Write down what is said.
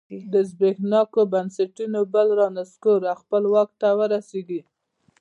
له زبېښونکو بنسټونو بل رانسکور او خپله واک ته ورسېږي.